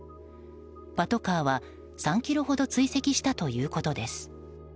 パトカーは３ｋｍほど追跡したということです。